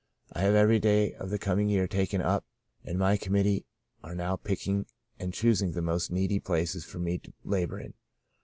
I have every day of the coming year taken up and my committee are now picking and choosing the most needy places for me to labour in.